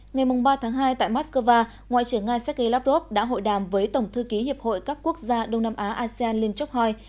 ngày ba tháng hai tại moscow ngoại trưởng nga sergei lavrov đã hội đàm với tổng thư ký hiệp hội các quốc gia đông nam á asean linh chokhoi